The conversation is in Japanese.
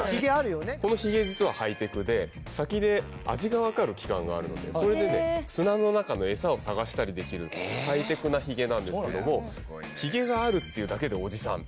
このひげ実はハイテクで先で味が分かる器官があるのでこれで砂の中の餌を探したりできるハイテクなひげなんですけどもひげがあるっていうだけで「オジサン」